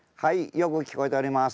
よく聞こえております。